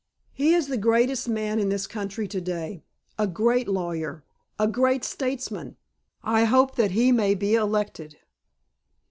"He is the greatest man in this country to day. A great lawyer. A great statesman. I hope that he may be elected."